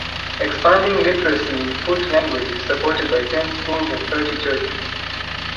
Expanding Literacy in Fut language is supported by ten schools and thirty churches.